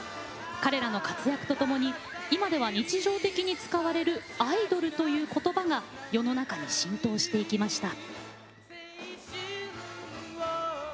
彼らの活躍とともに今では日常的に使われる「アイドル」ということばが世の中に浸透していきました。